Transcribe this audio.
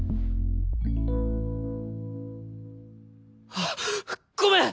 あ！ごめん！